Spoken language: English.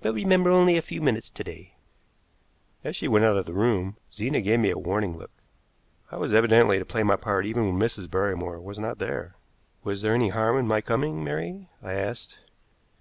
"But remember, only a few minutes to day." As she went out of the room, Zena gave me a warning look. I was evidently to play my part even when Mrs. Barrymore was not there. "Was there any harm in my coming, Mary?" I asked.